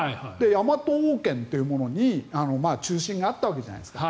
大和王権というものに中心があったわけじゃないですか。